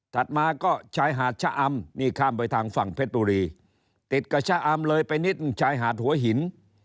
มาก็ชายหาดชะอำนี่ข้ามไปทางฝั่งเพชรบุรีติดกับชะอำเลยไปนิดนึงชายหาดหัวหิน